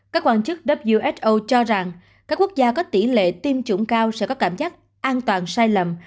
các quan chức who cho rằng các quốc gia có tỷ lệ tiêm chủng cao sẽ có cảm giác an toàn sai lầm